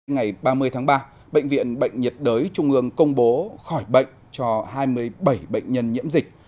ngày ba mươi tháng ba bệnh viện bệnh nhiệt đới trung ương công bố khỏi bệnh cho hai mươi bảy bệnh nhân nhiễm dịch